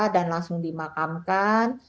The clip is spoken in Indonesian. dan langsung dimakamkan